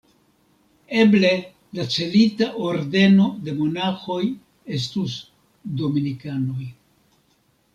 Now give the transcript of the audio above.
Eble la celita ordeno de monaĥoj estus dominikanoj.